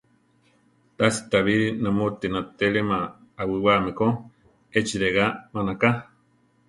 Tasi tábiri namúti natélema awiwáame ko, echi regá manaká.